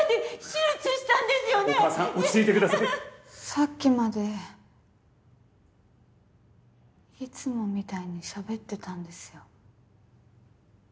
さっきまでいつもみたいにしゃべってたんですよ。